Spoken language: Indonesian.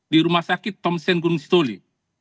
di rumah sakit tom sen gunung sitoli